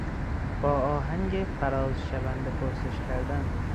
با آهنگ فرازشونده پرسش کردن